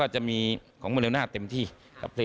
จะมีของมะเรว่อน่าเต็มที่กับเพลงใหม่ของเรานะครับ